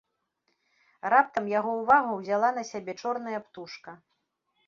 Раптам яго ўвагу ўзяла на сябе чорная птушка.